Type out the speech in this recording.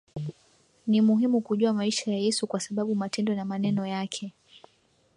Ni muhimu kujua maisha ya Yesu kwa sababu matendo na maneno yake